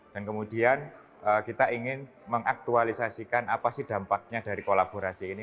dan kemudian kita ingin mengaktualisasikan apa sih dampaknya dari kolaborasi ini